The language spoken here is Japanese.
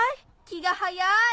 ⁉気が早い。